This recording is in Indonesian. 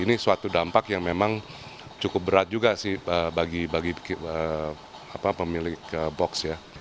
ini suatu dampak yang memang cukup berat juga sih bagi pemilik box ya